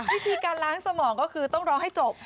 วิธีการล้างสมองก็คือต้องร้องให้จบ